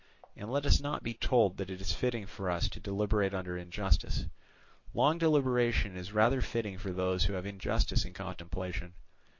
And let us not be told that it is fitting for us to deliberate under injustice; long deliberation is rather fitting for those who have injustice in contemplation.